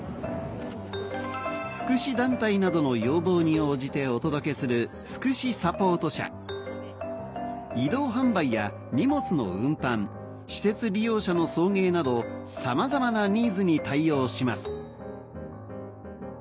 福祉団体などの要望に応じてお届けする移動販売や荷物の運搬施設利用者の送迎などさまざまなニーズに対応します